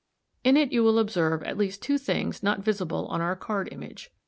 ] In it you will observe at least two things not visible on our card image.